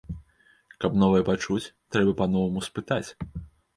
Каб новае пачуць, трэба па-новаму спытаць.